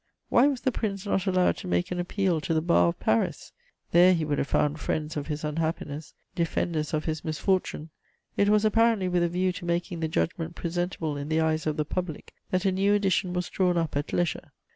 Why was the prince not allowed to make an appeal to the bar of Paris! There he would have found friends of his unhappiness, defenders of his misfortune. ... It was apparently with a view to making the judgment presentable in the eyes of the public that a new edition was drawn up at leisure....